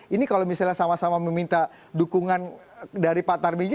ini kalau misalnya sama sama meminta dukungan dari pak tarbiji